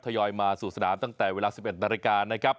ยอยมาสู่สนามตั้งแต่เวลา๑๑นาฬิกานะครับ